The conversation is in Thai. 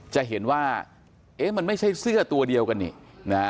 จะเห็นว่าเอ๊ะมันไม่ใช่เสื้อตัวเดียวกันนี่นะฮะ